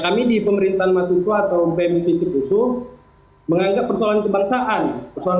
kami di pemerintahan mahasiswa atau pmi visitusu menganggap persoalan kebangsaan persoalan